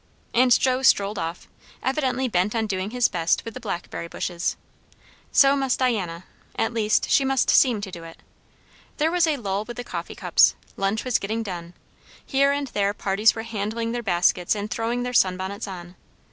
And Joe strolled off, evidently bent on doing his best with the blackberry bushes. So must Diana; at least she must seem to do it. There was a lull with the coffee cups; lunch was getting done; here and there parties were handling their baskets and throwing their sun bonnets on.